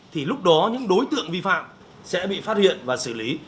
thì lúc đó những đối tượng vi phạm sẽ bị phát hiện và xử lý